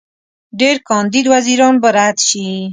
ډېر کاندید وزیران به رد شي.